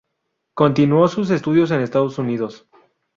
Continuó sus estudios en Estados Unidos.